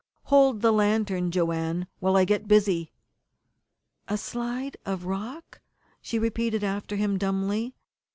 "Hold the lantern, Joanne, while I get busy." "A slide of rock," she repeated after him dumbly.